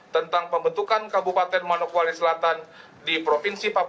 tentang pembentukan kabupaten manokwari selatan di provinsi papua